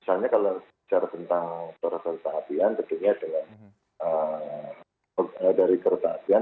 misalnya kalau bicara tentang perusahaan kesehatan tentunya dari kereta apian